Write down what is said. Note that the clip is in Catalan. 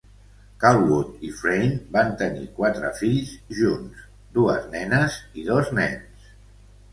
Callwood i Frayne van tenir quatre fills junts: dues nenes i dos nens.